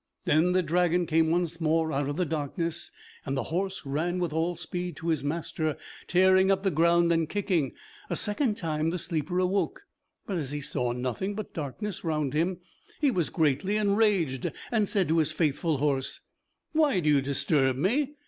Then the dragon came once more out of the darkness, and the horse ran with all speed to his master, tearing up the ground and kicking. A second time the sleeper awoke, but as he saw nothing but darkness round him, he was greatly enraged, and said to his faithful horse: "Why do you disturb me?